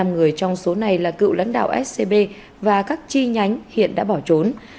năm người trong số này là cựu lãnh đạo scb và các chi nhánh hiện đã bỏ trốn